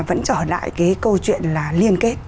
vẫn trở lại cái câu chuyện là liên kết